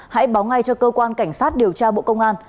hãy báo ngay cho cơ quan cảnh sát điều tra bộ công an